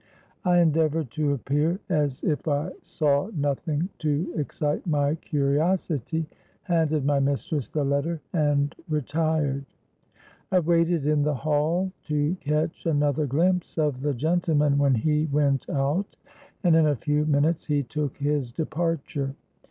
I endeavoured to appear as if I saw nothing to excite my curiosity, handed my mistress the letter, and retired. I waited in the hall to catch another glimpse of the gentleman when he went out; and in a few minutes he took his departure.